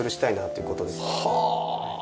はあ。